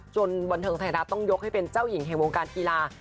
จนบันเทิงกริงสุดใดจะยกให้เป็นเจ้าหญิงแห่งวงการกีฬา